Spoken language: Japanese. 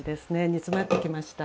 煮詰まってきました。